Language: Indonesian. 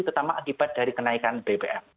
terutama akibat dari kenaikan bbm